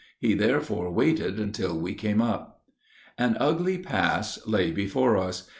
He therefore waited until we came up. An ugly pass lay before us.